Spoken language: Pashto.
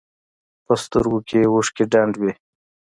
په سترګو کښې يې اوښکې ډنډ وې.